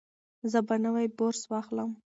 زه به نوی برس واخلم.